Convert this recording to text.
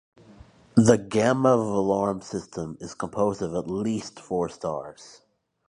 The Gamma Velorum system is composed of at least four stars.